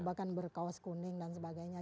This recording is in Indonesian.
bahkan berkaos kuning dan sebagainya